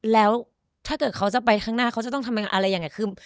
แล้วถ้าเกิดเขาจะไปข้างหน้าเขาจะต้องทำยังไงอะไรยังไงคือ